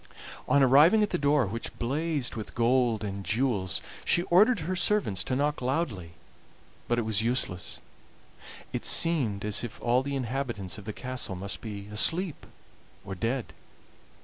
On arriving at the door, which blazed with gold and jewels, she ordered her servants to knock loudly, but it was useless; it seemed as if all the inhabitants of the castle must be asleep or dead.